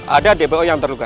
ada dbo yang terluka